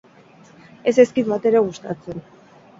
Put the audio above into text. Ez zaizkit batere gustatzen.